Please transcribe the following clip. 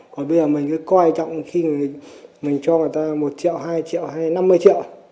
còn bây giờ mình cứ coi trọng khi mình cho người ta một triệu hai triệu hay năm mươi triệu